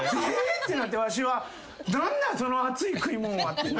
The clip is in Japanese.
ってなってわしは何なんその熱い食い物はって。